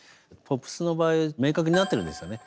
ポップスの場合明確になってるんですよね。